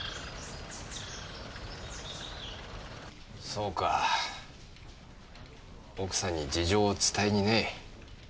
そうか奥さんに事情を伝えにね。